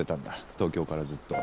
東京からずっと。